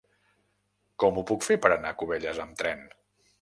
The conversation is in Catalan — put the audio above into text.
Com ho puc fer per anar a Cubelles amb tren?